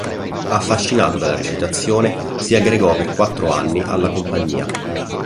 Affascinato dalla recitazione si aggregò per quattro anni alla compagnia.